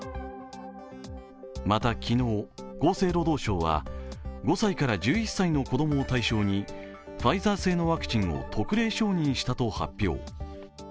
また昨日、厚生労働省は、５歳から１１歳の子供を対象にファイザー製のワクチンを特例承認したと発表。